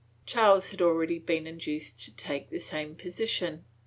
Charles had already been induced to take the same position.